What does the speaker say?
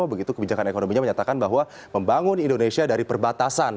begitu kebijakan ekonominya menyatakan bahwa membangun indonesia dari perbatasan